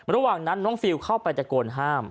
ระหว่างนั้นน้องฟิลเข้าไปตะโกนห้าม